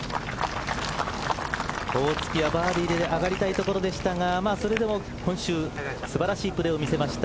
大槻はバーディーで上がりたいところでしたがそれでも今週、素晴らしいプレーを見せました。